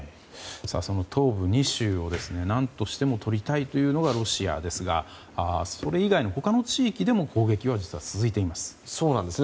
その東部２州を何としても取りたいというのがロシアですがそれ以外の他の地域でも攻撃は実は続いています。